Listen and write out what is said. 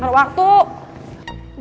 kalau terus outrored